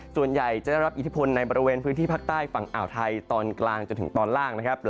ส่วนใหญ่จะได้รับอิทธิพลในบริเวณพื้นที่ภาคใต้ฝั่งอ่าวไทยตอนกลางจนถึงตอนล่างนะครับ